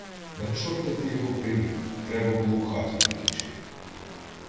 — На чорта ти його привів — треба було в хаті прикінчити.